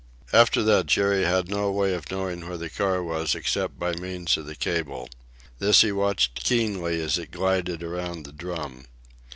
After that Jerry had no way of knowing where the car was except by means of the cable. This he watched keenly as it glided around the drum.